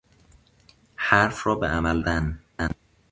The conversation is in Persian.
حرف را به عمل درآوردن